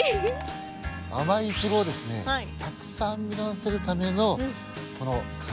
甘いイチゴをですねたくさん実らせるためのこの管理作業